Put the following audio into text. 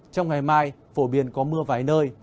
trong ngày mai phổ biến có mưa vài nơi